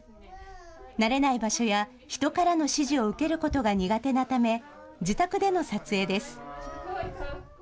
慣れない場所や人からの指示を受けることが苦手なため自宅での撮影です。